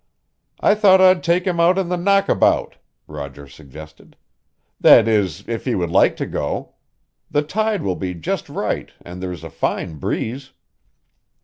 "I thought I'd take him out in the knockabout," Roger suggested. "That is, if he would like to go. The tide will be just right and there is a fine breeze."